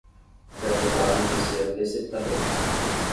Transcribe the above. Foi acusado de ser o receptador